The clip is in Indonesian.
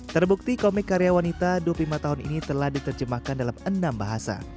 terbukti komik karya wanita dua puluh lima tahun ini telah diterjemahkan dalam enam bahasa